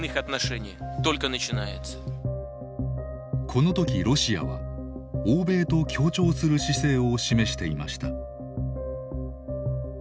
この時ロシアは欧米と協調する姿勢を示していました。